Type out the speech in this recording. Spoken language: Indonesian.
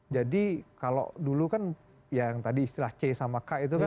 jadi kalau dulu kan yang tadi istilah c sama k itu kan